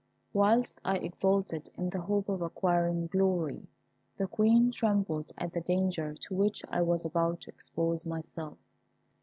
Whilst I exulted in the hope of acquiring glory, the Queen trembled at the danger to which I was about to expose myself.